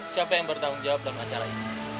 siapa yang bertanggung jawab dalam acara ini